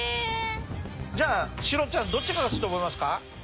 じゃあシロちゃんどっちが勝つと思いますか？